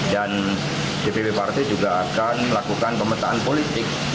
dan dpp partai juga akan melakukan pemetaan politik